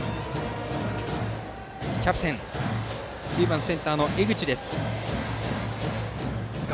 バッターはキャプテン９番センター、江口です。